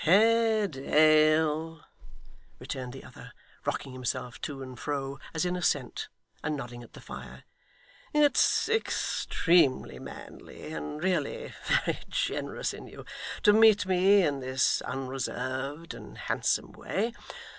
'Haredale,' returned the other, rocking himself to and fro as in assent, and nodding at the fire, 'it's extremely manly, and really very generous in you, to meet me in this unreserved and handsome way.